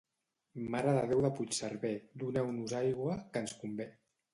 Mare de Déu de Puigcerver, doneu-nos aigua, que ens convé.